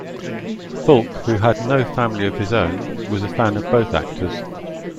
Fulk, who had no family of his own, was a fan of both actors.